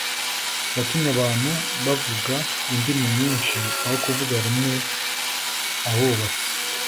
yatumye abantu bavuga indimi nyinshi aho kuvuga rumwe Abubatsi